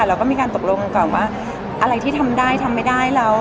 เราก็มีการตกลงก่อนว่าอะไรที่ทำได้ทำไม่ได้แล้ว